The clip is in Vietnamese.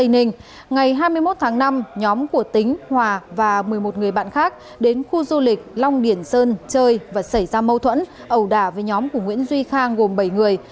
ngày hai mươi một tháng năm nhóm của tính hòa và một mươi một người bạn khác đến khu du lịch long điền sơn chơi và xảy ra mâu thuẫn ẩu đả với nhóm của nguyễn duy khang gồm bảy người